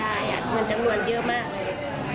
เหมือนจำนวนเยอะมากเลย